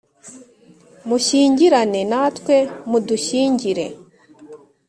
mushyingirane natwe mudushyingire